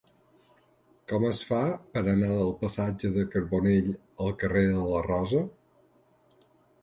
Com es fa per anar del passatge de Carbonell al carrer de la Rosa?